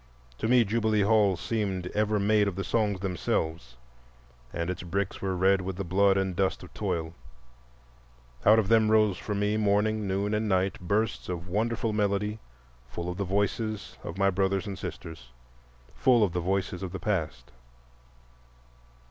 To me Jubilee Hall seemed ever made of the songs themselves, and its bricks were red with the blood and dust of toil. Out of them rose for me morning, noon, and night, bursts of wonderful melody, full of the voices of my brothers and sisters, full of the voices of the past.